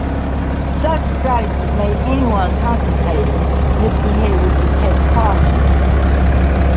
Such strategies made anyone contemplating misbehavior to take caution.